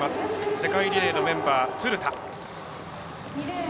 世界リレーのメンバー、鶴田。